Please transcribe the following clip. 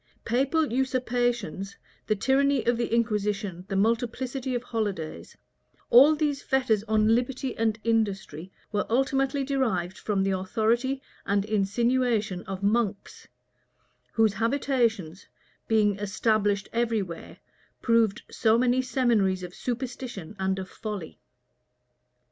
Papal usurpations, the tyranny of the inquisition, the multiplicity of holidays; all these fetters on liberty and industry were ultimately derived from the authority and insinuation of monks, whose habitations, being established every where, proved so many seminaries of superstition and of folly.